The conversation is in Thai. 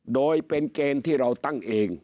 โดยเป็นเกณฑ์ที่เราตั้งเอง